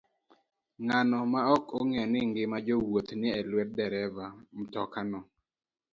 Ng'ano maok ong'eyo ni ngima jowuoth ni e lwet derep mtokano?